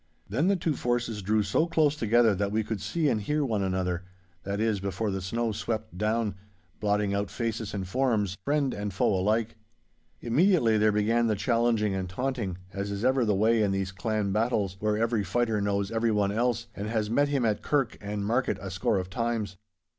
Then the two forces drew so close together that we could see and hear one another—that is, before the snow swept down, blotting out faces and forms, friend and foe alike. Immediately there began the challenging and taunting, as is ever the way in these clan battles, where every fighter knows everyone else, and has met him at kirk and market a score of times.